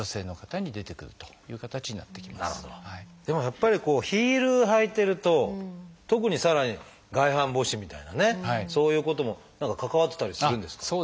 でもやっぱりヒール履いてると特にさらに外反母趾みたいなねそういうことも何か関わってたりするんですか？